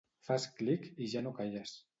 Fas clic i ja no calles.